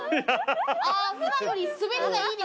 あ普段より滑りがいいです。